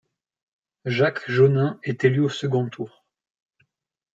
Jacques Jonin est élu au second tour.